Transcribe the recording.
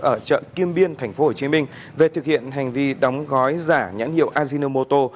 ở chợ kim biên tp hcm về thực hiện hành vi đóng gói giả nhãn hiệu ajinomoto